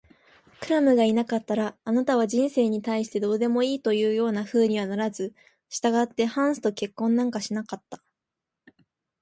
クラムがいなかったら、あなたは人生に対してどうでもいいというようなふうにはならず、したがってハンスと結婚なんかしなかったでしょう。